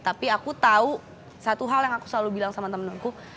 tapi aku tahu satu hal yang aku selalu bilang sama temenku